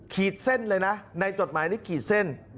ขีดเส้นเลยนะในจดหมายนี้ขีดเส้น